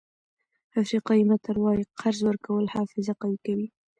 افریقایي متل وایي قرض ورکول حافظه قوي کوي.